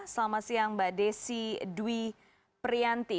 selamat siang mbak desi dwi prianti